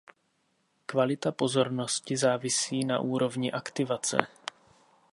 Kvalita pozornosti závisí na úrovni aktivace.